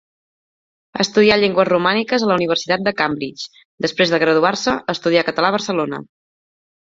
Estudià llengües romàniques a la universitat de Cambridge; després de graduar-se, estudià català a Barcelona.